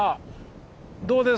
どうです？